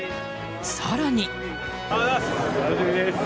更に。